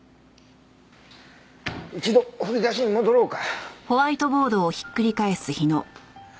一度振り出しに戻ろうか。